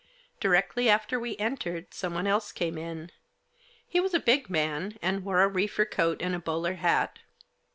Directly after we entered someone else came in. He was a big man, and wore a reefer coat and a bowler hat.